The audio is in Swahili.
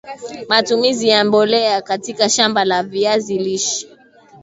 matumizi ya mbolea katika shamba la viazi lishe